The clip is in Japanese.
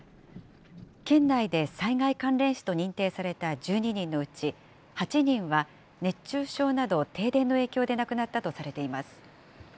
県内で災害関連死と認定された１２人のうち、８人は熱中症など、停電の影響で亡くなったとされています。